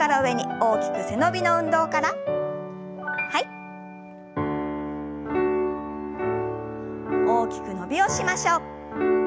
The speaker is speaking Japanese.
大きく伸びをしましょう。